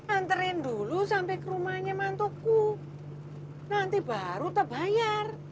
anterin dulu sampe ke rumahnya mantoku nanti baru tebayar